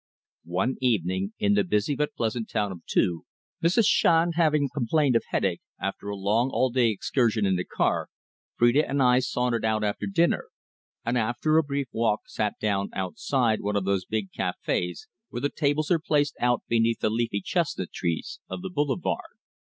One evening in the busy but pleasant town of Tours, Mrs. Shand having complained of headache after a long, all day excursion in the car, Phrida and I sauntered out after dinner, and after a brief walk sat down outside one of those big cafés where the tables are placed out beneath the leafy chestnut trees of the boulevard.